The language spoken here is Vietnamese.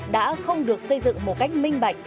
đã không được xây dựng một cách minh bạch